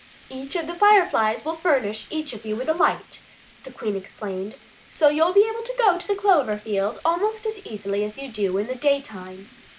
"Each of the Fireflies will furnish each of you with a light," the Queen explained, "so you'll be able to go to the clover field almost as easily as you do in the daytime.